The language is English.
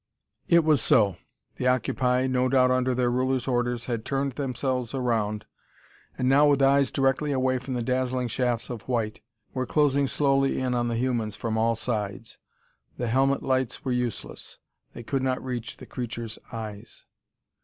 It was so. The octopi no doubt under their ruler's orders had turned themselves around, and now, with eyes directly away from the dazzling shafts of white, were closing slowly in on the humans from all sides. The helmet lights were useless. They could not reach the creatures' eyes.